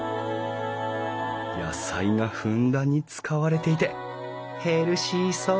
野菜がふんだんに使われていてヘルシーそう！